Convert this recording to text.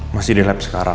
masih di lab sekarang